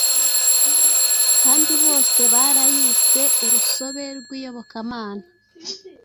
Kandi bose barayise, Urusobe rw'Iyobokamana